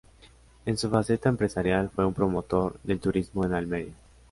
En su faceta empresarial fue un promotor del turismo en Almería.